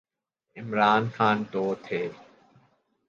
عمران خان تو تھے۔